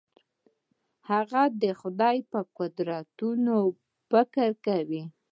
هغه د خدای په قدرتونو فکر کاوه.